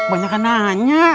banyak yang nanya